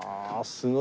すごい。